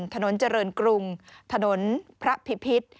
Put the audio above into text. ถนนเจริญกรุงถนนพระพิพิษ